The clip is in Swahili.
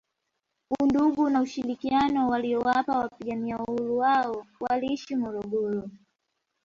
Undugu na ushirikiano waliowapa wapigania Uhuru hao walioishi Morogoro